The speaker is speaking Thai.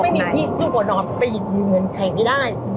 แค่ไม่มีพี่สุโปรนอลไปหยิบอยู่เงินใครไม่ได้